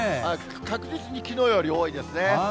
確実にきのうより多いですね。